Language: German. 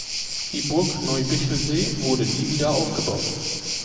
Die Burg Neu-Bichelsee wurde nie wieder aufgebaut.